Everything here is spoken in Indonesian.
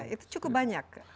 itu cukup banyak